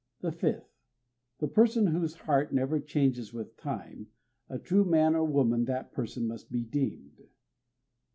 The fifth: The person whose heart never changes with time, A true man or woman that person must be deemed.